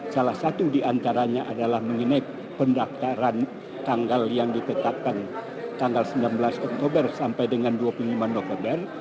salah satu diantaranya adalah mengenai pendaftaran tanggal yang ditetapkan tanggal sembilan belas oktober sampai dengan dua puluh lima november